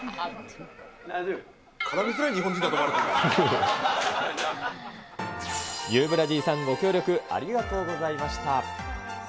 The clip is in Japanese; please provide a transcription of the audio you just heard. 絡みづらい日本人だと思われユーブラジーさんご協力ありがとうございました。